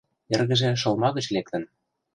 Эргыже шылма гыч лектын.